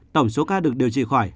tổng số ca được điều trị khỏi